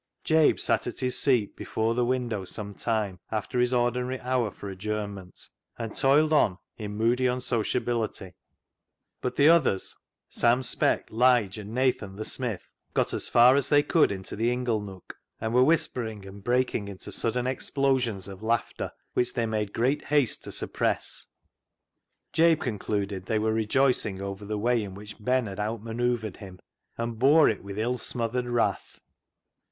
Jabe sat at his seat before the window some time after his ordinary hour for adjournment, and toiled on in moody unsociability, but the others — Sam Speck, Lige, and Nathan the smith — got as far as they could into the ingle nook, and were whispering and breaking into sudden explosions of laughter, which they made great haste to suppress. Jabe concluded they were rejoicing over the way in which Ben had out manoeuvred him, and bore it with ill smothered wrath.